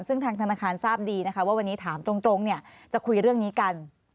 ซึ่งทางธนาคารทราบดีนะคะว่าวันนี้ถามตรงจะคุยเรื่องนี้กัน